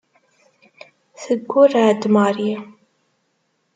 Teggurreɛ-d Mary.